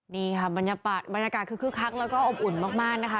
นี่ค่ะบรรยากาศคือคึกคักแล้วก็อบอุ่นมากนะคะ